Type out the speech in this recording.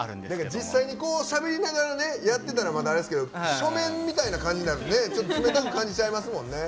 実際にしゃべりながらやってたら、あれですけど書面みたいな感じになるとちょっと冷たく感じちゃいますもんね。